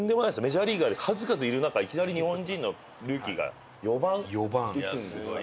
メジャーリーガーで数々いる中いきなり日本人のルーキーが四番打つんですから。